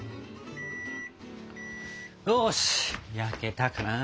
よし焼けたかな。